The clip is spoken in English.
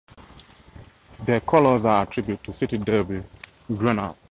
Their colors are a tribute to the city derby Grenal.